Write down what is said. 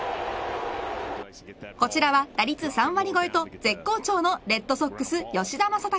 こちらは打率３割超えと絶好調のレッドソックス、吉田正尚。